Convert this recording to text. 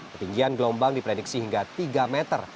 ketinggian gelombang diprediksi hingga tiga meter